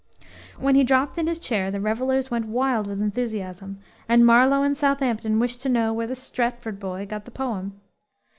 '"_ When he dropped in his chair the revelers went wild with enthusiasm, and Marlowe and Southampton wished to know where the "Stratford Boy" got the poem!